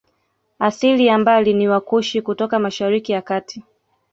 Asili ya mbali ni Wakushi kutoka Mashariki ya Kati